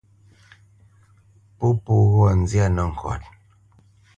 Pó po ghɔ̂ nzyâ nəŋkɔt.